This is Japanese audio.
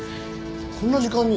こんな時間に。